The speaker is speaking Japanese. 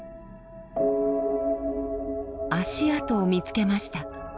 足跡を見つけました。